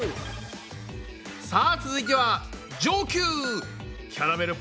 さあ続いては上級！